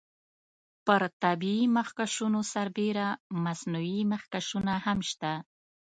پر طبیعي مخکشونو سربیره مصنوعي مخکشونه هم شته.